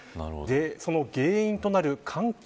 その原因となる環境